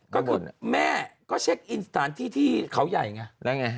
ก็คือแม่ก็เช็คอินสถานที่ที่เขาใหญ่ไงแล้วไง